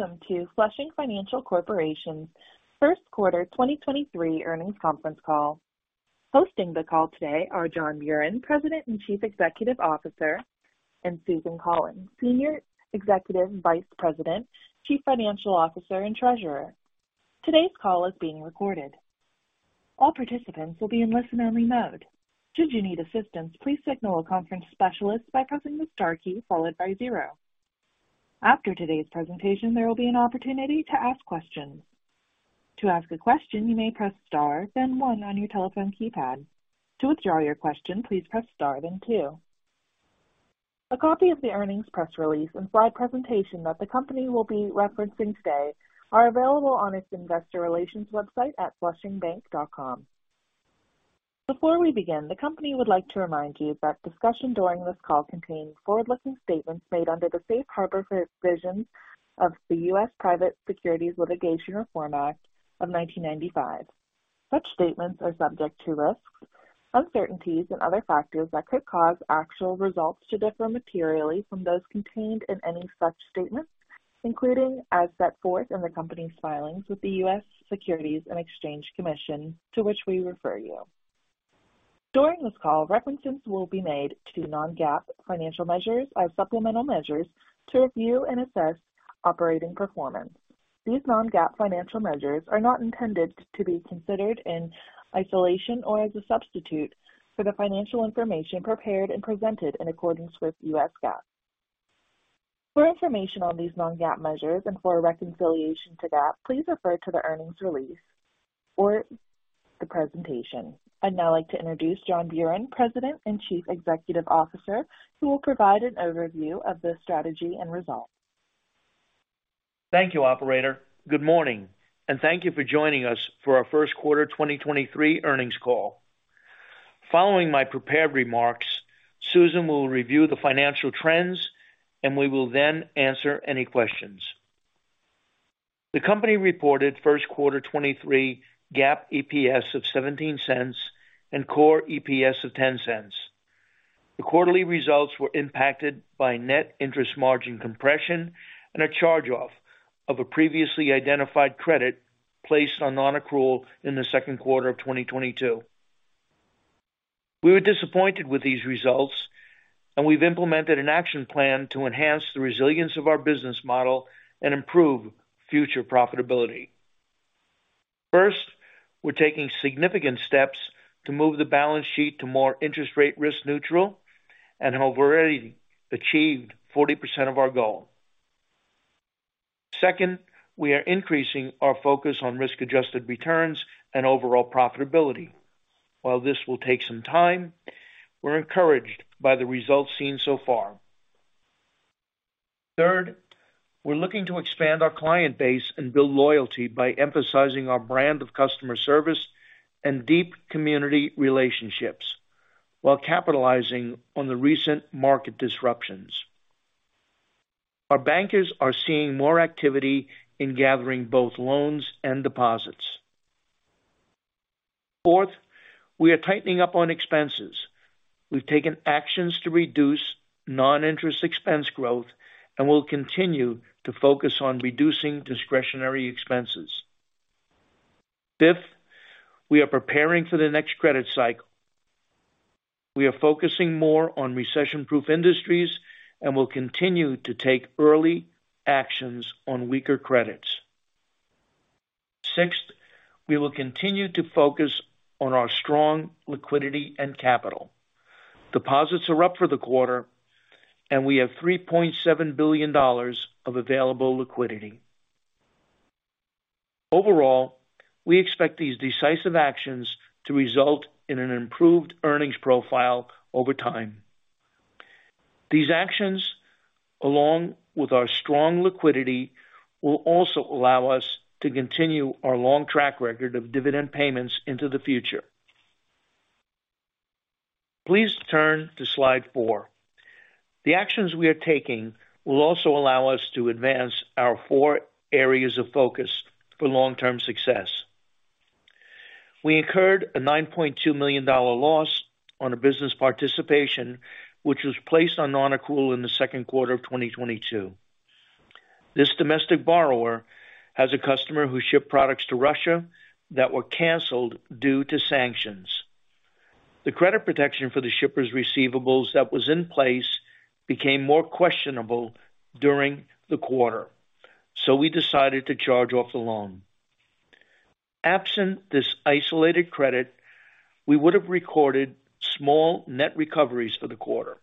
Welcome to Flushing Financial Corporation's first quarter 2023 earnings conference call. Hosting the call today are John Buran, President and Chief Executive Officer, and Susan Cullen, Senior Executive Vice President, Chief Financial Officer, and Treasurer. Today's call is being recorded. All participants will be in listen-only mode. Should you need assistance, please signal a conference specialist by pressing the star key followed by zero. After today's presentation, there will be an opportunity to ask questions. To ask a question, you may press star then one on your telephone keypad. To withdraw your question, please press star then two. A copy of the earnings press release and slide presentation that the company will be referencing today are available on its investor relations website at flushingbank.com. Before we begin, the company would like to remind you that discussion during this call contains forward-looking statements made under the safe harbor provisions of the US Private Securities Litigation Reform Act of nineteen ninety-five. Such statements are subject to risks, uncertainties, and other factors that could cause actual results to differ materially from those contained in any such statements, including as set forth in the company's filings with the U.S. Securities and Exchange Commission, to which we refer you. During this call, references will be made to non-GAAP financial measures or supplemental measures to review and assess operating performance. These non-GAAP financial measures are not intended to be considered in isolation or as a substitute for the financial information prepared and presented in accordance with U.S. GAAP. For information on these non-GAAP measures and for a reconciliation to GAAP, please refer to the earnings release or the presentation. I'd now like to introduce John Buran, President and Chief Executive Officer, who will provide an overview of the strategy and results. Thank you, operator. Good morning, thank you for joining us for our first quarter 2023 earnings call. Following my prepared remarks, Susan will review the financial trends, and we will then answer any questions. The company reported first quarter 23 GAAP EPS of $0.17 and core EPS of $0.10. The quarterly results were impacted by net interest margin compression and a charge-off of a previously identified credit placed on nonaccrual in the second quarter of 2022. We were disappointed with these results, and we've implemented an action plan to enhance the resilience of our business model and improve future profitability. First, we're taking significant steps to move the balance sheet to more interest rate risk neutral and have already achieved 40% of our goal. Second, we are increasing our focus on risk-adjusted returns and overall profitability. While this will take some time, we're encouraged by the results seen so far. Third, we're looking to expand our client base and build loyalty by emphasizing our brand of customer service and deep community relationships while capitalizing on the recent market disruptions. Our bankers are seeing more activity in gathering both loans and deposits. Fourth, we are tightening up on expenses. We've taken actions to reduce non-interest expense growth and will continue to focus on reducing discretionary expenses. Fifth, we are preparing for the next credit cycle. We are focusing more on recession-proof industries and will continue to take early actions on weaker credits. Sixth, we will continue to focus on our strong liquidity and capital. Deposits are up for the quarter, and we have $3.7 billion of available liquidity. Overall, we expect these decisive actions to result in an improved earnings profile over time. These actions, along with our strong liquidity, will also allow us to continue our long track record of dividend payments into the future. Please turn to slide 4. The actions we are taking will also allow us to advance our four areas of focus for long-term success. We incurred a $9.2 million loss on a business participation, which was placed on nonaccrual in the second quarter of 2022. This domestic borrower has a customer who shipped products to Russia that were canceled due to sanctions. The credit protection for the shipper's receivables that was in place became more questionable during the quarter, so we decided to charge off the loan. Absent this isolated credit, we would have recorded small net recoveries for the quarter.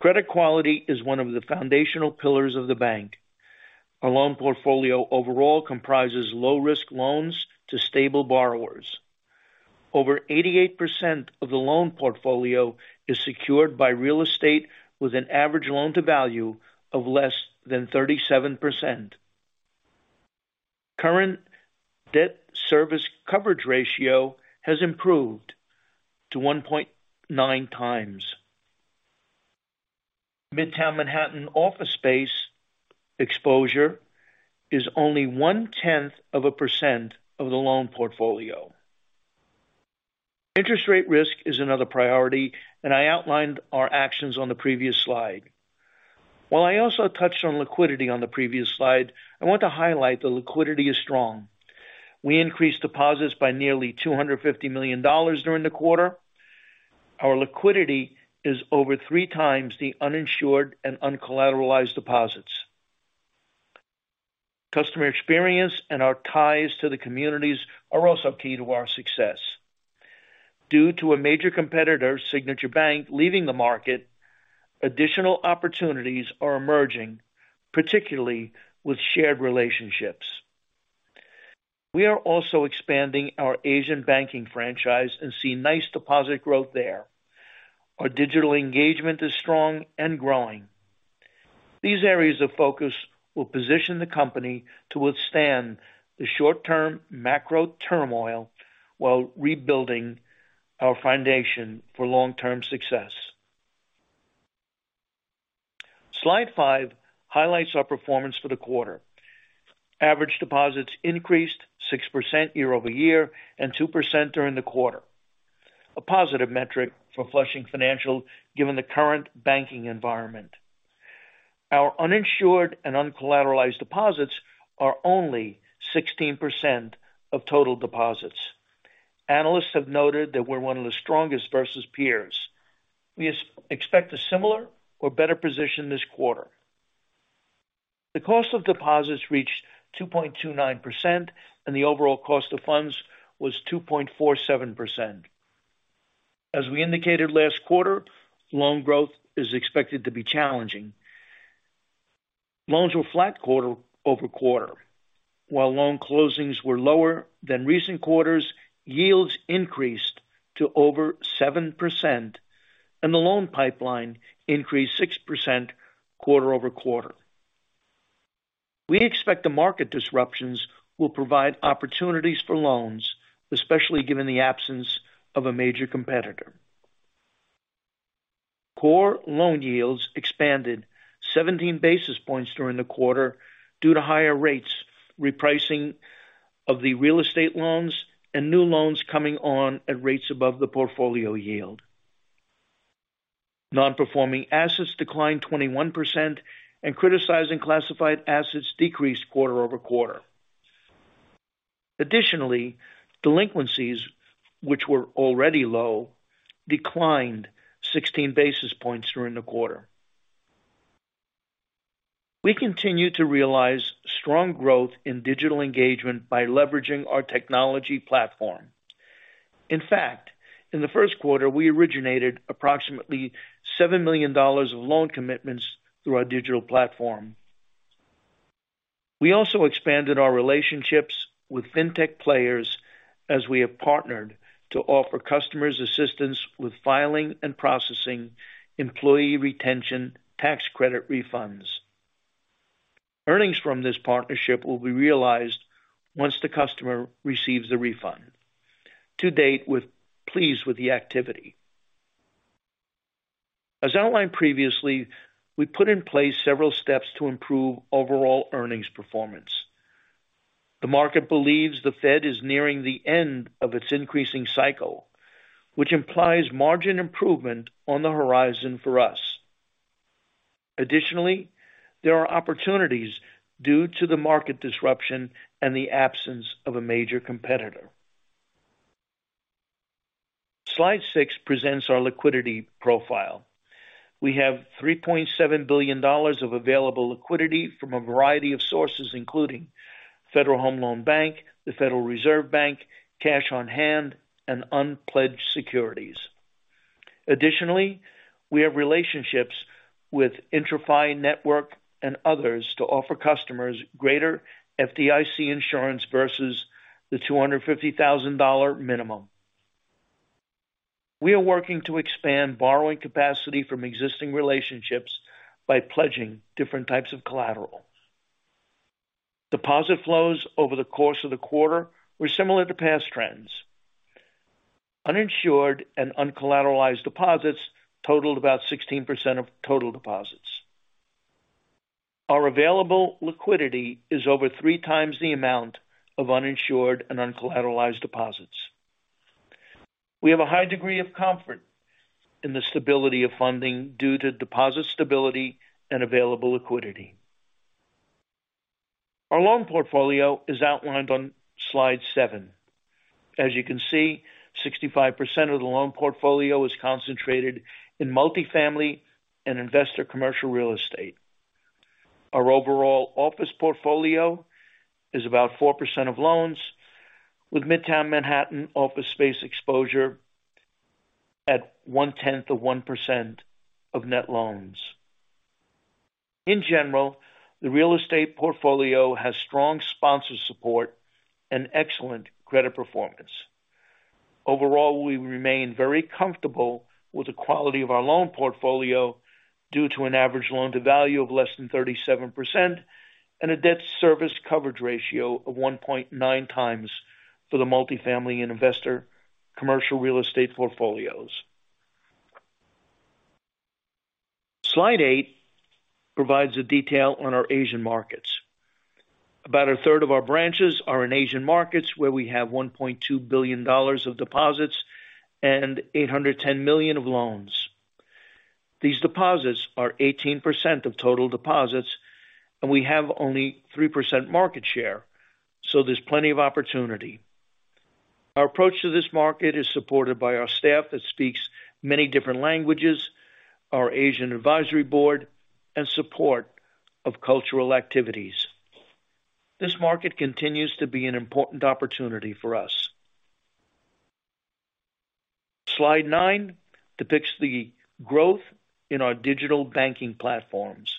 Credit quality is one of the foundational pillars of the bank. Our loan portfolio overall comprises low-risk loans to stable borrowers. Over 88% of the loan portfolio is secured by real estate with an average loan-to-value of less than 37%. Current debt service coverage ratio has improved to 1.9 times. Midtown Manhattan office space exposure is only 0.1% of the loan portfolio. Interest rate risk is another priority, and I outlined our actions on the previous slide. While I also touched on liquidity on the previous slide, I want to highlight that liquidity is strong. We increased deposits by nearly $250 million during the quarter. Our liquidity is over 3 times the uninsured and uncollateralized deposits. Customer experience and our ties to the communities are also key to our success. Due to a major competitor, Signature Bank, leaving the market, additional opportunities are emerging, particularly with shared relationships. We are also expanding our Asian banking franchise and see nice deposit growth there. Our digital engagement is strong and growing. These areas of focus will position the company to withstand the short-term macro turmoil while rebuilding our foundation for long-term success. Slide five highlights our performance for the quarter. Average deposits increased 6% year-over-year and 2% during the quarter. A positive metric for Flushing Financial, given the current banking environment. Our uninsured and uncollateralized deposits are only 16% of total deposits. Analysts have noted that we're one of the strongest versus peers. We expect a similar or better position this quarter. The cost of deposits reached 2.29% and the overall cost of funds was 2.47%. As we indicated last quarter, loan growth is expected to be challenging. Loans were flat quarter-over-quarter. While loan closings were lower than recent quarters, yields increased to over 7% and the loan pipeline increased 6% quarter-over-quarter. We expect the market disruptions will provide opportunities for loans, especially given the absence of a major competitor. Core loan yields expanded 17 basis points during the quarter due to higher rates, repricing of the real estate loans, and new loans coming on at rates above the portfolio yield. Non-performing assets declined 21% and criticizing classified assets decreased quarter-over-quarter. Additionally, delinquencies, which were already low, declined 16 basis points during the quarter. We continue to realize strong growth in digital engagement by leveraging our technology platform. In fact, in the first quarter, we originated approximately $7 million of loan commitments through our digital platform. We also expanded our relationships with fintech players as we have partnered to offer customers assistance with filing and processing Employee Retention Tax Credit refunds. Earnings from this partnership will be realized once the customer receives the refund. To date, we're pleased with the activity. As outlined previously, we put in place several steps to improve overall earnings performance. The market believes the Fed is nearing the end of its increasing cycle, which implies margin improvement on the horizon for us. There are opportunities due to the market disruption and the absence of a major competitor. Slide 6 presents our liquidity profile. We have $3.7 billion of available liquidity from a variety of sources, including Federal Home Loan Bank, the Federal Reserve Bank, cash on hand, and unpledged securities. We have relationships with IntraFi Network and others to offer customers greater FDIC insurance versus the $250,000 minimum. We are working to expand borrowing capacity from existing relationships by pledging different types of collateral. Deposit flows over the course of the quarter were similar to past trends. Uninsured and uncollateralized deposits totaled about 16% of total deposits. Our available liquidity is over 3 times the amount of uninsured and uncollateralized deposits. We have a high degree of comfort in the stability of funding due to deposit stability and available liquidity. Our loan portfolio is outlined on slide 7. As you can see, 65% of the loan portfolio is concentrated in multifamily and investor commercial real estate. Our overall office portfolio is about 4% of loans, with Midtown Manhattan office space exposure at 0.1% of net loans. In general, the real estate portfolio has strong sponsor support and excellent credit performance. Overall, we remain very comfortable with the quality of our loan portfolio due to an average loan-to-value of less than 37% and a debt service coverage ratio of 1.9x for the multifamily and investor commercial real estate portfolios. Slide 8 provides a detail on our Asian markets. About a third of our branches are in Asian markets where we have $1.2 billion of deposits and $810 million of loans. These deposits are 18% of total deposits and we have only 3% market share, so there's plenty of opportunity. Our approach to this market is supported by our staff that speaks many different languages, our Asian Advisory Board and support of cultural activities. This market continues to be an important opportunity for us. Slide 9 depicts the growth in our digital banking platforms.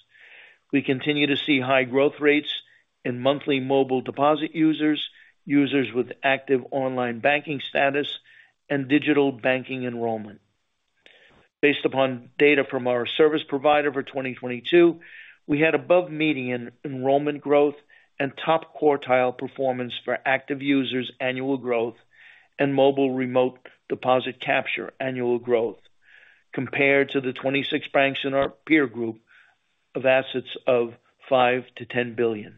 We continue to see high growth rates in monthly mobile deposit users with active online banking status and digital banking enrollment. Based upon data from our service provider for 2022, we had above median enrollment growth and top quartile performance for active users annual growth and mobile remote deposit capture annual growth compared to the 26 banks in our peer group of assets of $5 billion-$10 billion.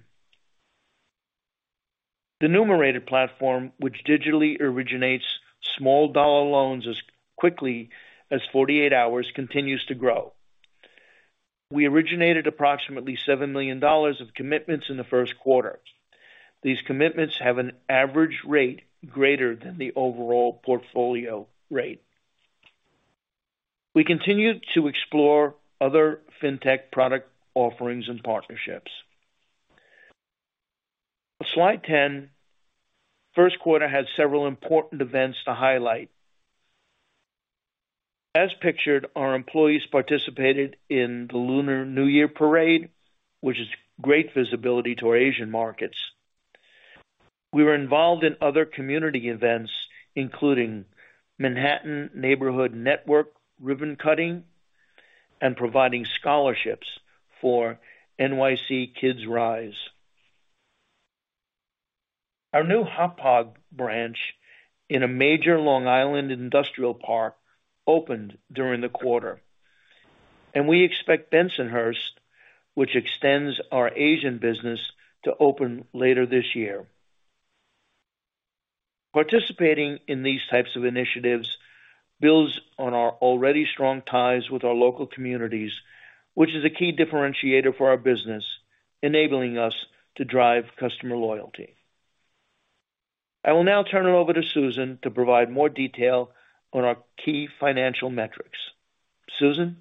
The Numerated platform, which digitally originates small dollar loans as quickly as 48 hours, continues to grow. We originated approximately $7 million of commitments in the first quarter. These commitments have an average rate greater than the overall portfolio rate. We continue to explore other fintech product offerings and partnerships. Slide 10. First quarter had several important events to highlight. As pictured, our employees participated in the Lunar New Year parade, which is great visibility to our Asian markets. We were involved in other community events including Manhattan Neighborhood Network ribbon cutting and providing scholarships for NYC Kids RISE. Our new Hauppauge branch in a major Long Island industrial park opened during the quarter. We expect Bensonhurst, which extends our Asian business, to open later this year. Participating in these types of initiatives builds on our already strong ties with our local communities, which is a key differentiator for our business, enabling us to drive customer loyalty. I will now turn it over to Susan to provide more detail on our key financial metrics. Susan.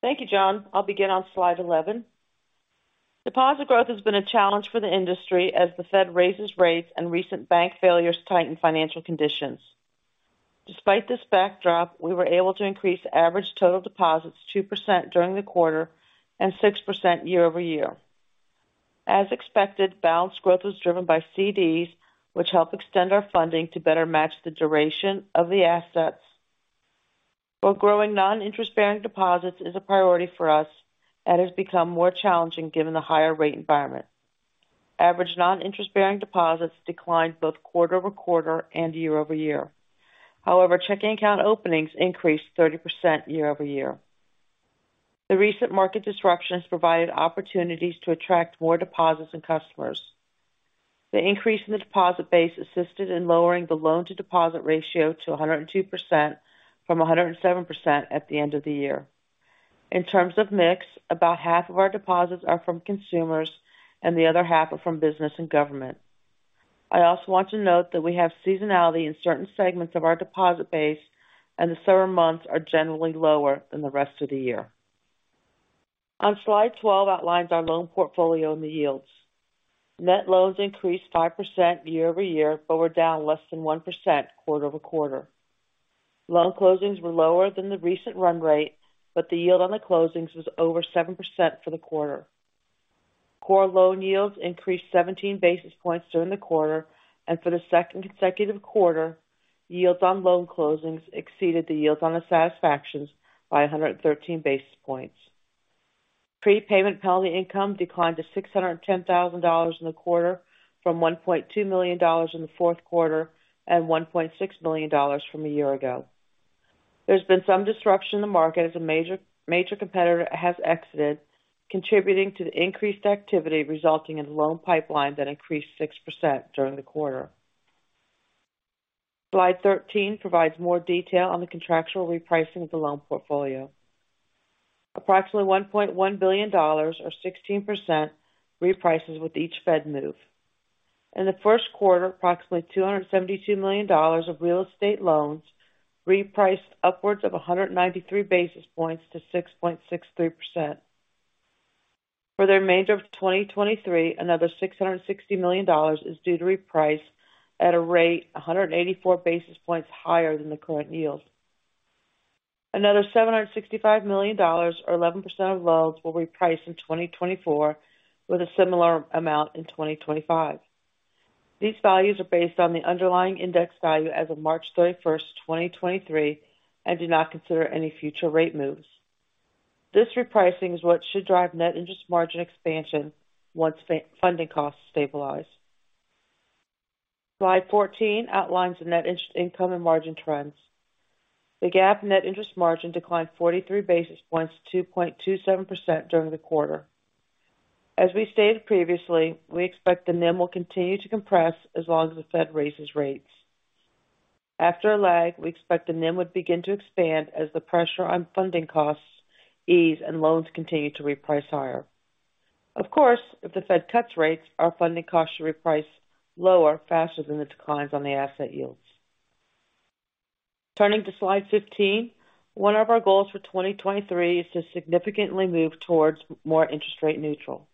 Thank you, John. I'll begin on slide 11. Deposit growth has been a challenge for the industry as the Fed raises rates and recent bank failures tighten financial conditions. Despite this backdrop, we were able to increase average total deposits 2% during the quarter and 6% year-over-year. As expected, balance growth was driven by CDs, which help extend our funding to better match the duration of the assets. While growing non-interest bearing deposits is a priority for us, that has become more challenging given the higher rate environment. Average non-interest bearing deposits declined both quarter-over-quarter and year-over-year. However, checking account openings increased 30% year-over-year. The recent market disruption has provided opportunities to attract more deposits and customers. The increase in the deposit base assisted in lowering the loan to deposit ratio to 102% from 107% at the end of the year. In terms of mix, about half of our deposits are from consumers and the other half are from business and government. I also want to note that we have seasonality in certain segments of our deposit base and the summer months are generally lower than the rest of the year. On slide 12 outlines our loan portfolio and the yields. Net loans increased 5% year-over-year, but were down less than 1% quarter-over-quarter. Loan closings were lower than the recent run rate, but the yield on the closings was over 7% for the quarter. Core loan yields increased 17 basis points during the quarter. For the second consecutive quarter, yields on loan closings exceeded the yields on the satisfactions by 113 basis points. Prepayment penalty income declined to $610,000 in the quarter from $1.2 million in the fourth quarter and $1.6 million from a year ago. There's been some disruption in the market as a major competitor has exited, contributing to the increased activity resulting in loan pipeline that increased 6% during the quarter. Slide 13 provides more detail on the contractual repricing of the loan portfolio. Approximately $1.1 billion or 16% reprices with each Fed move. In the first quarter, approximately $272 million of real estate loans repriced upwards of 193 basis points to 6.63%. For the remainder of 2023, another $660 million is due to reprice at a rate 184 basis points higher than the current yield. Another $765 million or 11% of loans will reprice in 2024 with a similar amount in 2025. These values are based on the underlying index value as of March 31, 2023 and do not consider any future rate moves. This repricing is what should drive net interest margin expansion once funding costs stabilize. Slide 14 outlines the net interest income and margin trends. The GAAP net interest margin declined 43 basis points to 2.27% during the quarter. As we stated previously, we expect the NIM will continue to compress as long as the Fed raises rates. After a lag, we expect the NIM would begin to expand as the pressure on funding costs ease and loans continue to reprice higher. Of course, if the Fed cuts rates, our funding costs should reprice lower faster than the declines on the asset yields. Turning to slide 15. One of our goals for 2023 is to significantly move towards more interest rate neutral.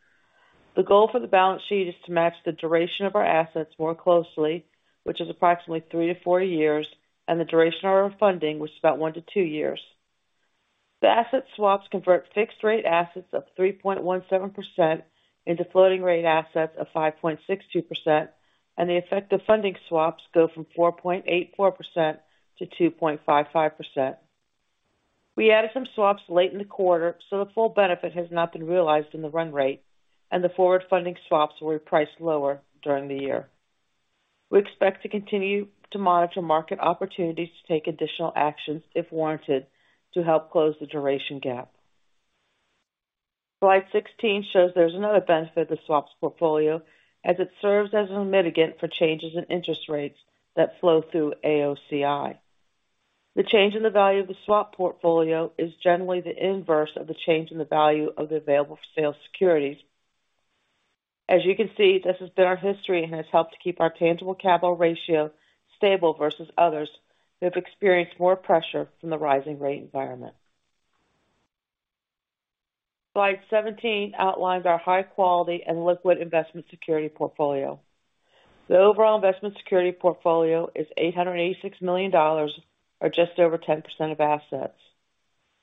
The goal for the balance sheet is to match the duration of our assets more closely, which is approximately 3-4 years, and the duration of our funding, which is about 1-2 years. The asset swaps convert fixed rate assets of 3.17% into floating rate assets of 5.62%, and the effect of funding swaps go from 4.84%-2.55%. We added some swaps late in the quarter, so the full benefit has not been realized in the run rate and the forward funding swaps were priced lower during the year. We expect to continue to monitor market opportunities to take additional actions if warranted to help close the duration gap. Slide 16 shows there's another benefit of the swaps portfolio as it serves as a mitigant for changes in interest rates that flow through AOCI. The change in the value of the swap portfolio is generally the inverse of the change in the value of the available for sale securities. As you can see, this has been our history and has helped to keep our tangible capital ratio stable versus others who have experienced more pressure from the rising rate environment. Slide 17 outlines our high quality and liquid investment security portfolio. The overall investment security portfolio is $886 million or just over 10% of assets.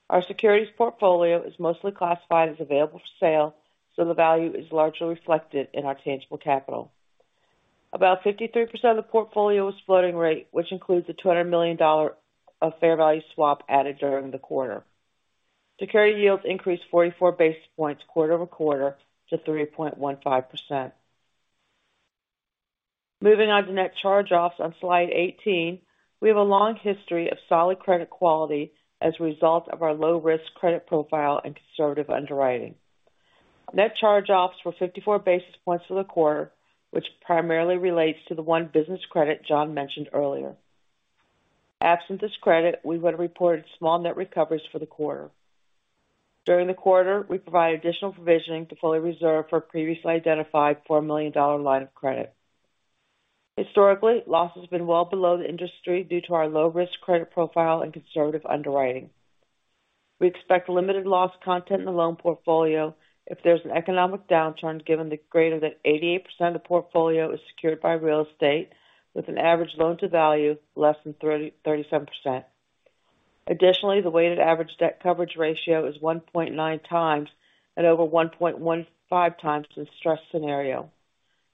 Our securities portfolio is mostly classified as available for sale, the value is largely reflected in our tangible capital. About 53% of the portfolio is floating rate, which includes a $200 million dollar of fair value swap added during the quarter. Security yields increased 44 basis points quarter-over-quarter to 3.15%. Moving on to net charge-offs on slide 18. We have a long history of solid credit quality as a result of our low risk credit profile and conservative underwriting. Net charge-offs were 54 basis points for the quarter, which primarily relates to the one business credit John mentioned earlier. Absent this credit, we would have reported small net recoveries for the quarter. During the quarter, we provided additional provisioning to fully reserve for a previously identified $4 million line of credit. Historically, loss has been well below the industry due to our low risk credit profile and conservative underwriting. We expect limited loss content in the loan portfolio if there's an economic downturn given the greater than 88% of the portfolio is secured by real estate with an average loan-to-value less than 37%. Additionally, the weighted average debt service coverage ratio is 1.9 times at over 1.15 times the stress scenario.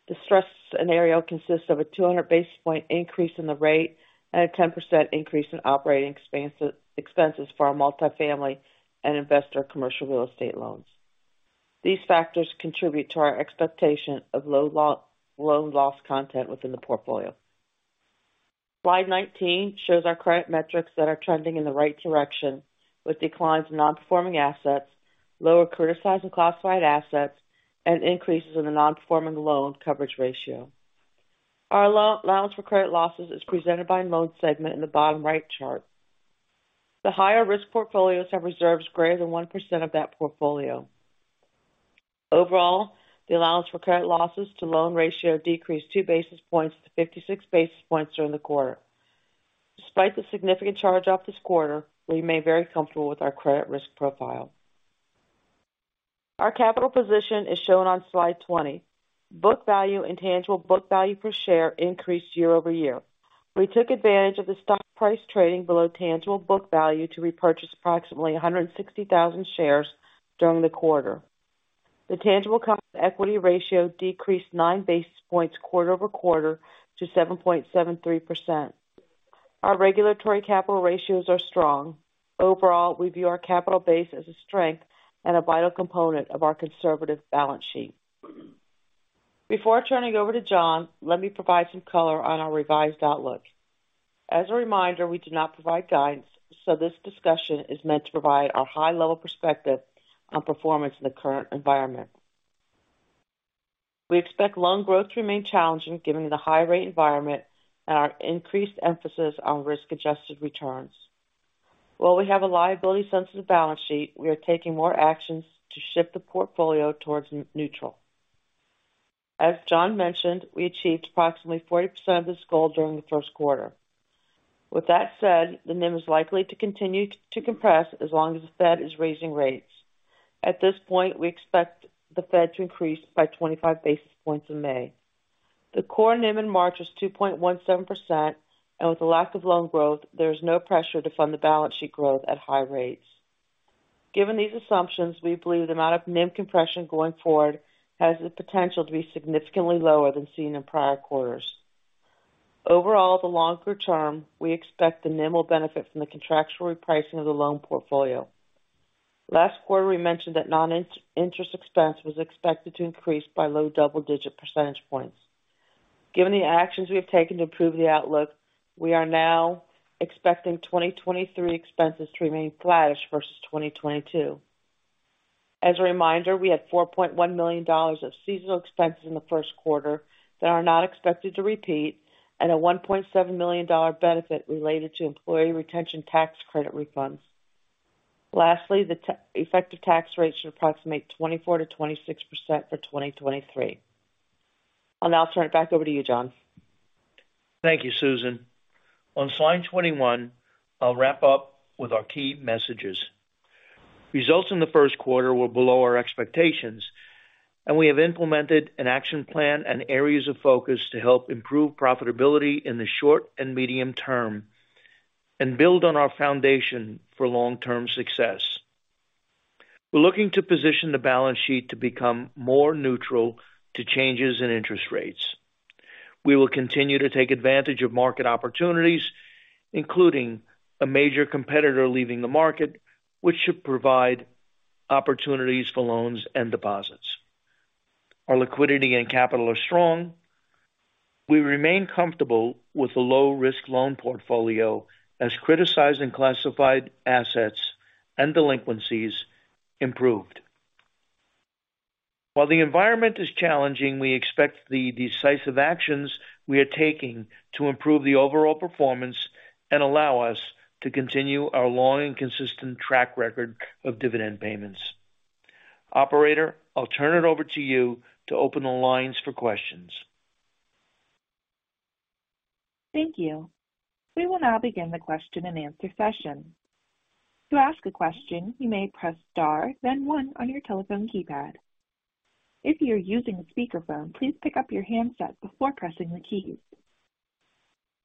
The stress scenario consists of a 200 basis point increase in the rate and a 10% increase in operating expenses for our multifamily and investor commercial real estate loans. These factors contribute to our expectation of low loan loss content within the portfolio. Slide 19 shows our credit metrics that are trending in the right direction with declines in non-performing assets, lower criticized and classified assets, and increases in the non-performing loan coverage ratio. Our all-allowance for credit losses is presented by loan segment in the bottom right chart. The higher risk portfolios have reserves greater than 1% of that portfolio. Overall, the allowance for credit losses to loan ratio decreased 2 basis points to 56 basis points during the quarter. Despite the significant charge off this quarter, we remain very comfortable with our credit risk profile. Our capital position is shown on slide 20. Book value and tangible book value per share increased year-over-year. We took advantage of the stock price trading below tangible book value to repurchase approximately 160,000 shares during the quarter. The tangible common equity ratio decreased 9 basis points quarter-over-quarter to 7.73%. Our regulatory capital ratios are strong. Overall, we view our capital base as a strength and a vital component of our conservative balance sheet. Before turning over to John, let me provide some color on our revised outlook. As a reminder, we do not provide guidance. This discussion is meant to provide a high-level perspective on performance in the current environment. We expect loan growth to remain challenging given the high rate environment and our increased emphasis on risk-adjusted returns. While we have a liability sensitive balance sheet, we are taking more actions to shift the portfolio towards NIM-neutral. As John mentioned, we achieved approximately 40% of this goal during the first quarter. With that said, the NIM is likely to continue to compress as long as the Fed is raising rates. At this point, we expect the Fed to increase by 25 basis points in May. The core NIM in March was 2.17%, and with the lack of loan growth, there is no pressure to fund the balance sheet growth at high rates. Given these assumptions, we believe the amount of NIM compression going forward has the potential to be significantly lower than seen in prior quarters. The longer term, we expect the NIM will benefit from the contractual repricing of the loan portfolio. Last quarter, we mentioned that non-interest expense was expected to increase by low double-digit percentage points. Given the actions we have taken to improve the outlook, we are now expecting 2023 expenses to remain flat versus 2022. As a reminder, we had $4.1 million of seasonal expenses in the first quarter that are not expected to repeat and a $1.7 million benefit related to Employee Retention Tax Credit refunds. Lastly, the effective tax rate should approximate 24%-26% for 2023. I'll now turn it back over to you, John. Thank you, Susan. On slide 21, I'll wrap up with our key messages. Results in the first quarter were below our expectations, and we have implemented an action plan and areas of focus to help improve profitability in the short and medium term and build on our foundation for long-term success. We're looking to position the balance sheet to become more neutral to changes in interest rates. We will continue to take advantage of market opportunities, including a major competitor leaving the market, which should provide opportunities for loans and deposits. Our liquidity and capital are strong. We remain comfortable with the low-risk loan portfolio as criticized and classified assets and delinquencies improved. While the environment is challenging, we expect the decisive actions we are taking to improve the overall performance and allow us to continue our long and consistent track record of dividend payments. Operator, I'll turn it over to you to open the lines for questions. Thank you. We will now begin the question-and-answer session. To ask a question, you may press star then one on your telephone keypad. If you're using a speakerphone, please pick up your handset before pressing the keys.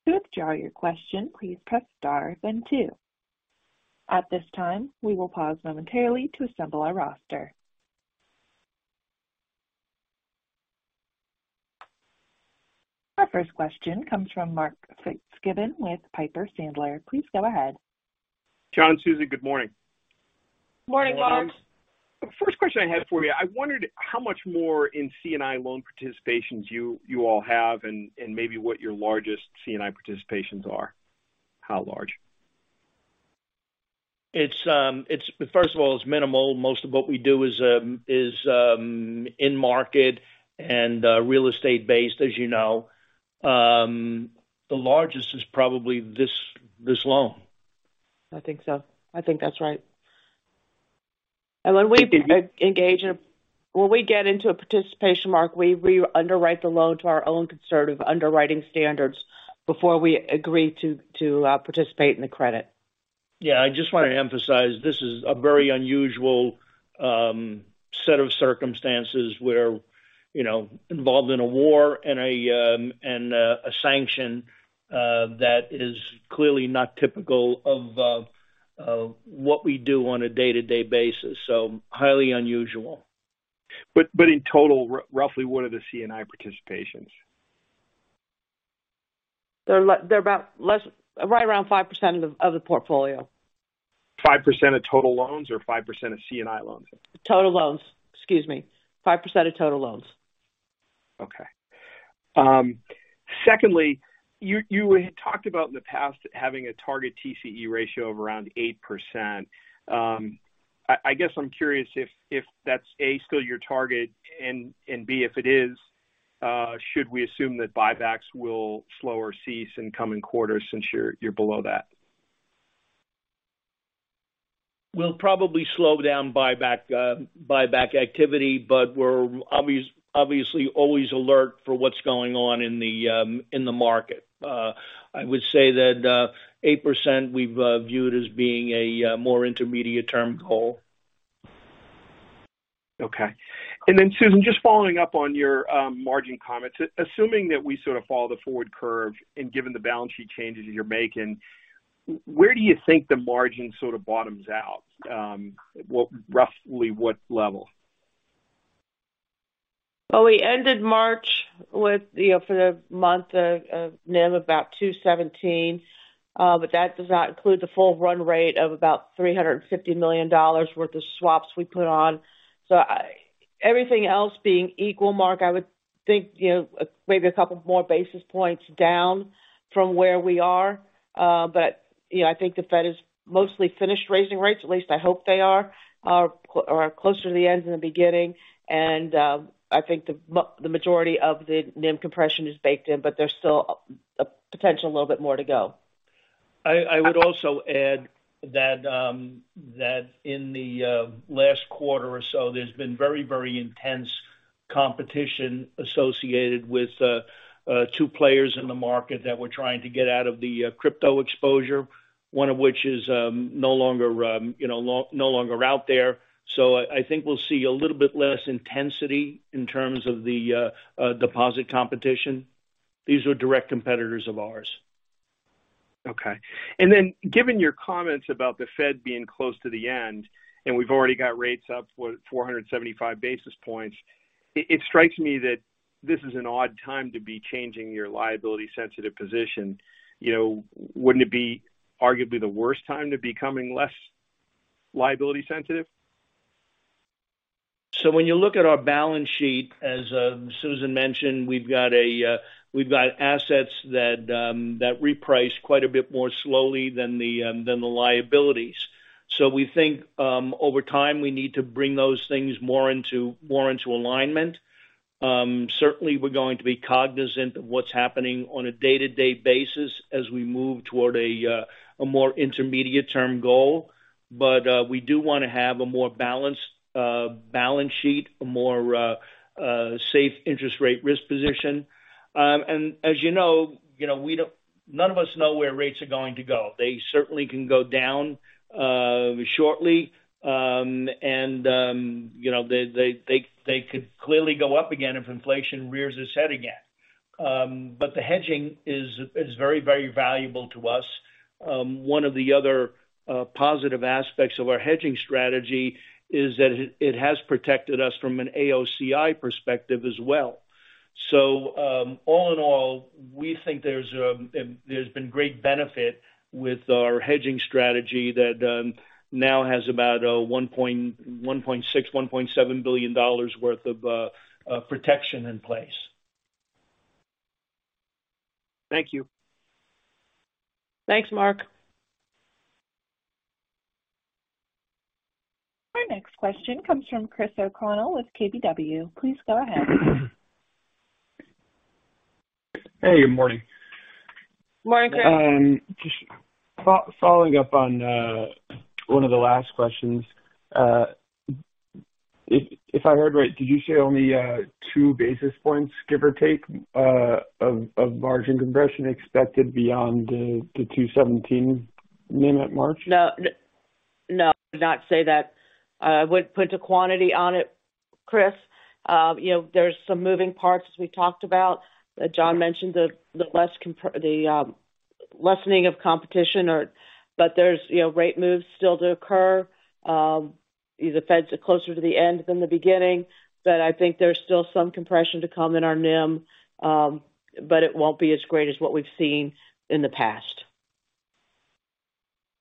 To withdraw your question, please press star then two. At this time, we will pause momentarily to assemble our roster. Our first question comes from Mark Fitzgibbon with Piper Sandler. Please go ahead. John, Susan, good morning. Morning, Mark. Good morning. The first question I had for you, I wondered how much more in C&I loan participations you all have and maybe what your largest C&I participations are. How large? First of all, it's minimal. Most of what we do is in market and real estate based, as you know. The largest is probably this loan. I think so. I think that's right. When we get into a participation mark, we underwrite the loan to our own conservative underwriting standards before we agree to participate in the credit. Yeah. I just want to emphasize this is a very unusual set of circumstances where, you know, involved in a war and a sanction that is clearly not typical of what we do on a day-to-day basis. Highly unusual. In total, roughly what are the C&I participations? They're about right around 5% of the portfolio. 5% of total loans or 5% of C&I loans? Total loans. Excuse me. 5% of total loans. Okay. Secondly, you had talked about in the past having a target TCE ratio of around 8%. I guess I'm curious if that's, A, still your target, and B, if it is, should we assume that buybacks will slow or cease in coming quarters since you're below that? We'll probably slow down buyback activity, but we're obviously always alert for what's going on in the market. I would say that 8% we've viewed as being a more intermediate term goal. Okay. Susan, just following up on your margin comments, assuming that we sort of follow the forward curve and given the balance sheet changes you're making, where do you think the margin sort of bottoms out? Well, roughly what level? We ended March with, you know, for the month of NIM about 2.17%, but that does not include the full run rate of about $350 million worth of swaps we put on. Everything else being equal, Mark, I would think, you know, maybe a couple more basis points down from where we are. But, you know, I think the Fed is mostly finished raising rates. At least I hope they are closer to the end than the beginning. I think the majority of the NIM compression is baked in, but there's still a potential a little bit more to go. I would also add that in the last quarter or so, there's been very intense competition associated with 2 players in the market that we're trying to get out of the crypto exposure, one of which is no longer out there. I think we'll see a little bit less intensity in terms of the deposit competition. These were direct competitors of ours. Okay. Then given your comments about the Fed being close to the end, we've already got rates up 475 basis points. It strikes me that this is an odd time to be changing your liability sensitive position. You know, wouldn't it be arguably the worst time to becoming less liability sensitive? When you look at our balance sheet, as Susan mentioned, we've got a we've got assets that reprice quite a bit more slowly than the than the liabilities. We think over time we need to bring those things more into alignment. Certainly we're going to be cognizant of what's happening on a day-to-day basis as we move toward a more intermediate term goal. We do wanna have a more balanced balance sheet, a more safe interest rate risk position. As you know, you know, none of us know where rates are going to go. They certainly can go down shortly. You know, they could clearly go up again if inflation rears its head again. The hedging is very valuable to us. One of the other positive aspects of our hedging strategy is that it has protected us from an AOCI perspective as well. All in all, we think there's been great benefit with our hedging strategy that now has about $1.6 billion-$1.7 billion protection in place. Thank you. Thanks, Mark. Our next question comes from Chris O'Connell with KBW. Please go ahead. Hey, good morning. Morning, Chris. Just following up on one of the last questions. If I heard right, did you say only two basis points, give or take, of margin compression expected beyond the 2.17 NIM at March? No, I did not say that. I wouldn't put a quantity on it, Chris. You know, there's some moving parts as we talked about. John mentioned the lessening of competition or. There's, you know, rate moves still to occur. The Feds are closer to the end than the beginning, but I think there's still some compression to come in our NIM, but it won't be as great as what we've seen in the past.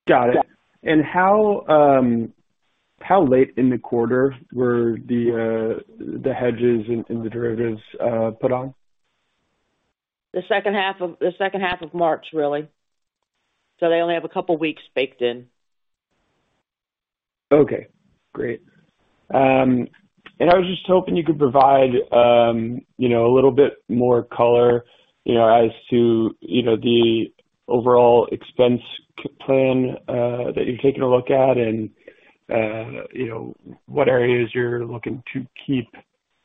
Got it. How late in the quarter were the hedges and the derivatives put on? The second half of March, really. They only have a couple weeks baked in. Okay, great. I was just hoping you could provide, you know, a little bit more color, you know, as to, you know, the overall expense plan that you're taking a look at and, you know, what areas you're looking to keep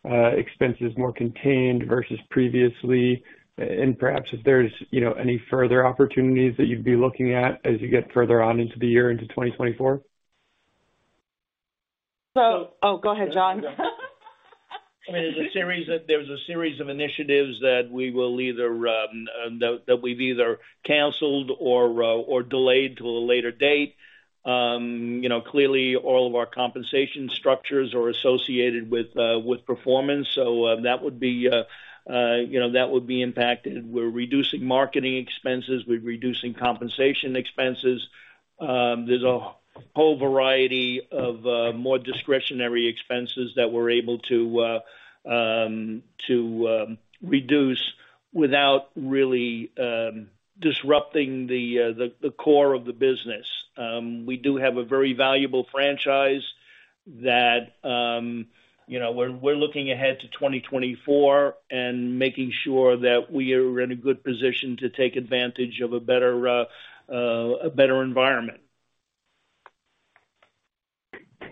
expenses more contained versus previously. Perhaps if there's, you know, any further opportunities that you'd be looking at as you get further on into the year into 2024? Go ahead, John. I mean, there's a series of initiatives that we will either that we've either canceled or delayed to a later date. You know, clearly all of our compensation structures are associated with performance. That would be, you know, that would be impacted. We're reducing marketing expenses. We're reducing compensation expenses. There's a whole variety of more discretionary expenses that we're able to reduce without really disrupting the core of the business. We do have a very valuable franchise that, you know, we're looking ahead to 2024 and making sure that we are in a good position to take advantage of a better environment.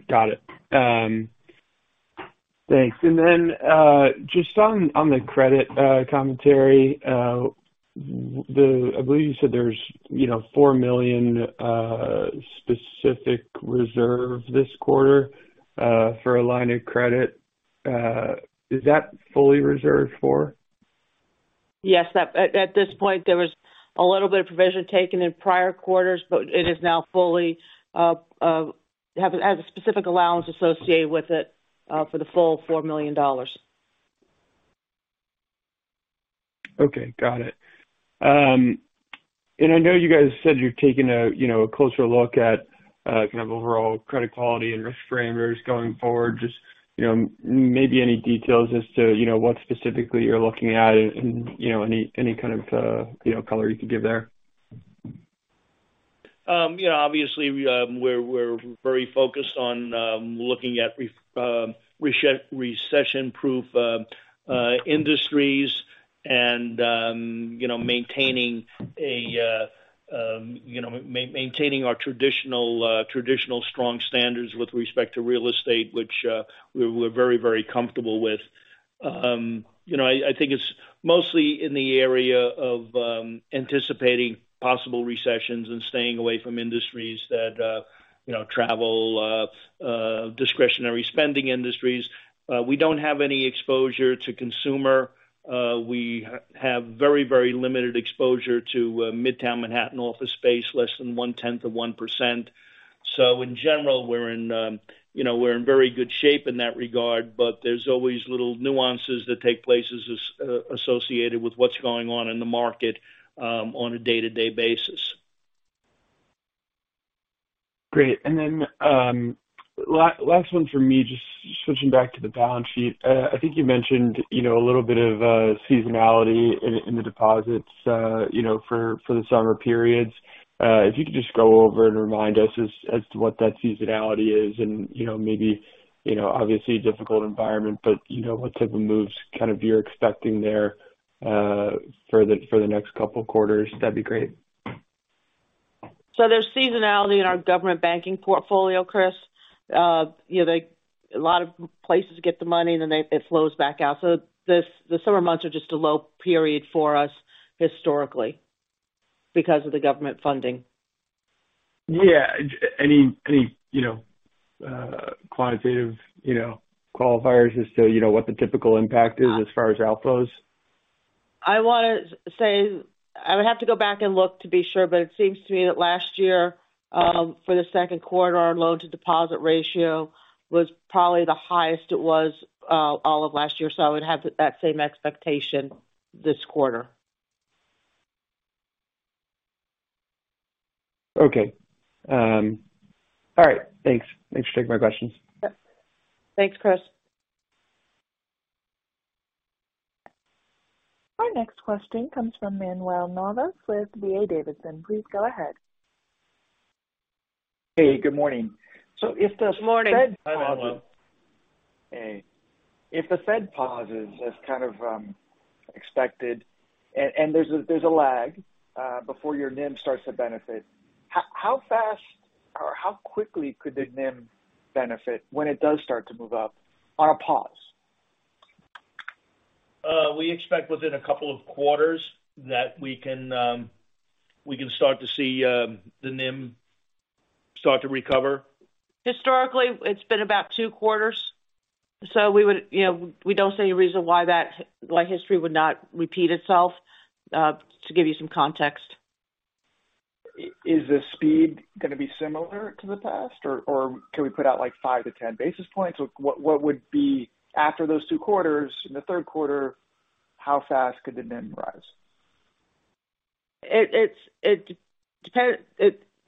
Got it. Thanks. Just on the credit commentary, I believe you said there's, you know, $4 million specific reserve this quarter for a line of credit. Is that fully reserved for? Yes. At this point, there was a little bit of provision taken in prior quarters. It is now fully has a specific allowance associated with it for the full $4 million. Okay. Got it. I know you guys said you're taking a, you know, a closer look at, kind of overall credit quality and risk framers going forward. Just, you know, maybe any details as to, you know, what specifically you're looking at and, you know, any kind of, you know, color you could give there? you know, obviously, we're very focused on looking at recession proof industries and, you know, maintaining a, you know, maintaining our traditional strong standards with respect to real estate, which we're very, very comfortable with. you know, I think it's mostly in the area of anticipating possible recessions and staying away from industries that, you know, travel, discretionary spending industries. we don't have any exposure to consumer. we have very, very limited exposure to Midtown Manhattan office space, less than 0.1%. In general, we're in, you know, we're in very good shape in that regard, but there's always little nuances that take place associated with what's going on in the market on a day-to-day basis. Great. last one for me. Just switching back to the balance sheet. I think you mentioned, you know, a little bit of seasonality in the deposits, you know, for the summer periods. If you could just go over and remind us as to what that seasonality is and, you know, maybe, you know, obviously a difficult environment, but, you know, what type of moves kind of you're expecting there, for the next couple quarters, that'd be great. There's seasonality in our government banking portfolio, Chris. You know, a lot of places get the money, and then it flows back out. The summer months are just a low period for us historically because of the government funding. Yeah. Any, you know, quantitative, you know, qualifiers as to, you know, what the typical impact is as far as outflows? I would have to go back and look to be sure, but it seems to me that last year, for the second quarter, our loan to deposit ratio was probably the highest it was, all of last year. I would have that same expectation this quarter. Okay. All right. Thanks. Thanks for taking my questions. Yep. Thanks, Chris. Our next question comes from Manuel Navas with D.A. Davidson. Please go ahead. Hey, good morning. Good morning. Hey. If the Fed pauses as kind of expected and there's a lag before your NIM starts to benefit, how fast or how quickly could the NIM benefit when it does start to move up on a pause? We expect within a couple of quarters that we can start to see, the NIM start to recover. Historically, it's been about two quarters. you know, we don't see any reason why history would not repeat itself to give you some context. Is the speed gonna be similar to the past, or can we put out, like, 5-10 basis points? What would be after those two quarters, in the third quarter, how fast could the NIM rise? It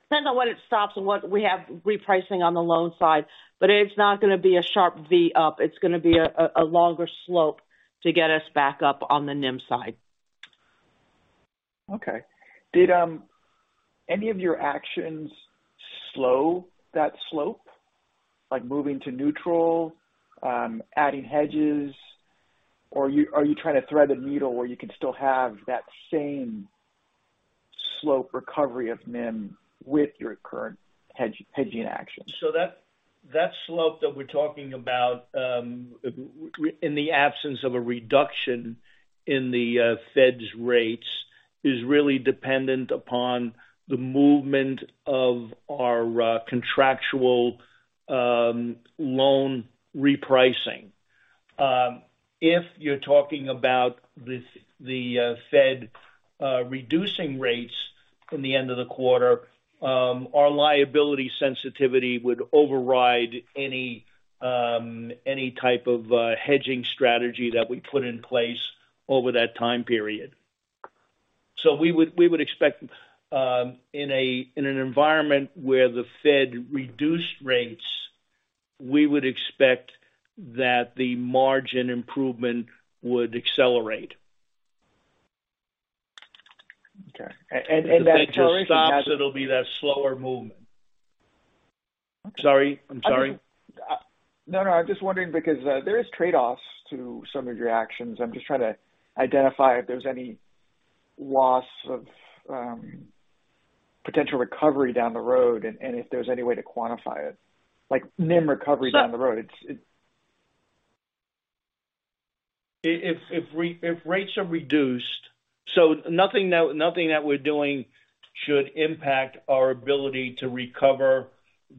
depends on what it stops and what we have repricing on the loan side. It's not gonna be a sharp V up. It's gonna be a longer slope to get us back up on the NIM side. Okay. Did any of your actions slow that slope, like moving to neutral, adding hedges? Are you trying to thread the needle where you can still have that same slope recovery of NIM with your current hedging actions? That slope that we're talking about, in the absence of a reduction in the Fed's rates, is really dependent upon the movement of our contractual loan repricing. If you're talking about the Fed reducing rates from the end of the quarter, our liability sensitivity would override any type of hedging strategy that we put in place over that time period. We would expect in an environment where the Fed reduced rates, we would expect that the margin improvement would accelerate. Okay. If the Fed just stops, it'll be that slower movement. Sorry? I'm sorry. No, no. I'm just wondering because, there is trade-offs to some of your actions. I'm just trying to identify if there's any loss of potential recovery down the road and if there's any way to quantify it, like NIM recovery down the road. It's. If rates are reduced, nothing that we're doing should impact our ability to recover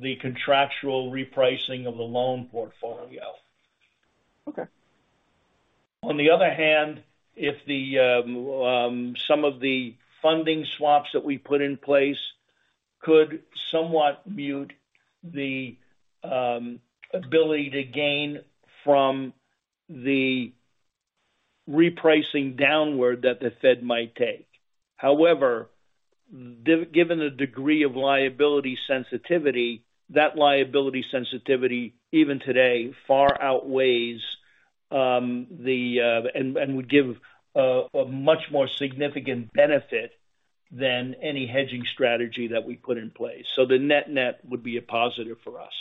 the contractual repricing of the loan portfolio. Okay. On the other hand, if the, some of the funding swaps that we put in place could somewhat mute the, ability to gain from the repricing downward that the Fed might take. Given the degree of liability sensitivity, that liability sensitivity, even today, far outweighs, and would give a much more significant benefit than any hedging strategy that we put in place. The net-net would be a positive for us.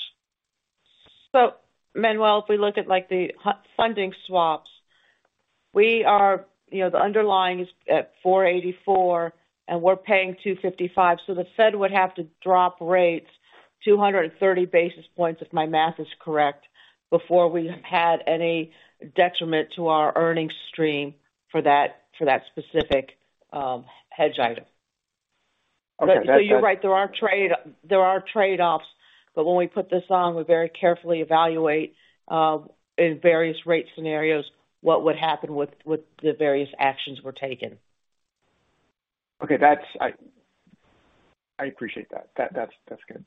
Manuel, if we look at, like, the funding swaps, we are, you know, the underlying is at 484, and we're paying 255. The Fed would have to drop rates 230 basis points, if my math is correct, before we had any detriment to our earnings stream for that, for that specific hedge item. Okay. That's- You're right. There are trade-offs. When we put this on, we very carefully evaluate in various rate scenarios what would happen with the various actions were taken. Okay. I appreciate that. That's good.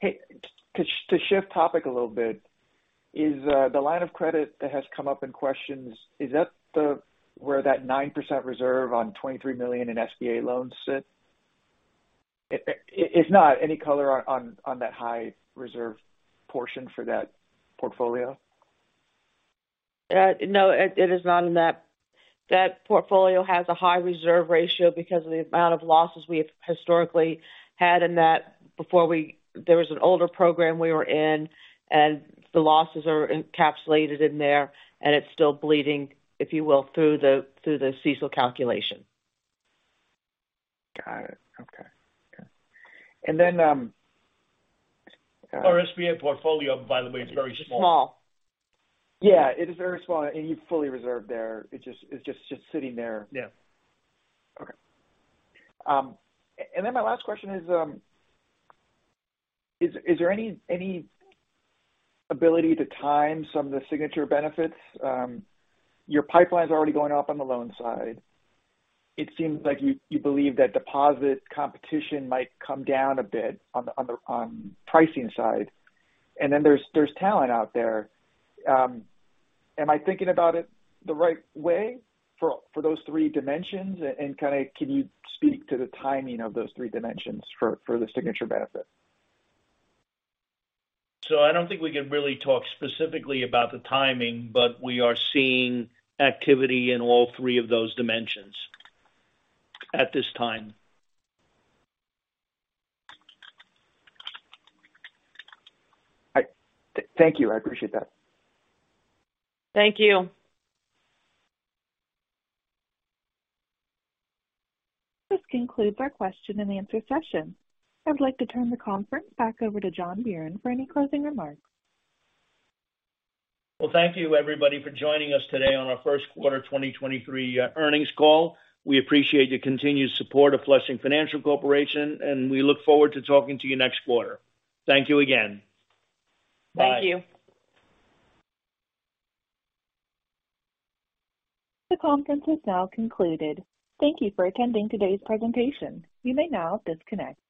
Hey, to shift topic a little bit is the line of credit that has come up in questions. Is that where that 9% reserve on $23 million in SBA loans sit? If it's not any color on that high reserve portion for that portfolio. No, it is not in that. That portfolio has a high reserve ratio because of the amount of losses we have historically had in that before there was an older program we were in, and the losses are encapsulated in there and it's still bleeding, if you will, through the CECL calculation. Got it. Okay. Okay. Then. Our SBA portfolio by the way is very small. Small. Yeah, it is very small. You fully reserved there. It's just sitting there. Yeah. Okay. And then my last question is there any ability to time some of the Signature benefits? Your pipeline's already going up on the loan side. It seems like you believe that deposit competition might come down a bit on the pricing side. Then there's talent out there. Am I thinking about it the right way for those three dimensions? Kinda can you speak to the timing of those three dimensions for the Signature benefit? I don't think we can really talk specifically about the timing, but we are seeing activity in all three of those dimensions at this time. Thank you. I appreciate that. Thank you. This concludes our question and answer session. I'd like to turn the conference back over to John Buran for any closing remarks. Well, thank you everybody for joining us today on our first quarter 2023 earnings call. We appreciate your continued support of Flushing Financial Corporation. We look forward to talking to you next quarter. Thank you again. Bye. Thank you. The conference is now concluded. Thank you for attending today's presentation. You may now disconnect.